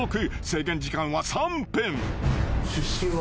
制限時間は３分］